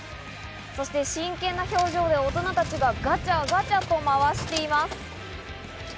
そして真剣な表情で大人たちがガチャガチャと回しています。